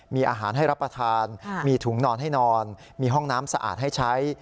มีอาหารให้รับประทานมีถุงนอนให้นอนมีห้องน้ำสะอาดให้ใช้